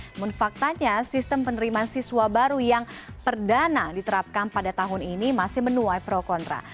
namun faktanya sistem penerimaan siswa baru yang perdana diterapkan pada tahun ini masih menuai pro kontra